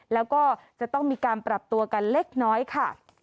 แล้วก็จะต้องมีการปรับตัวกันเล็กน้อยค่ะ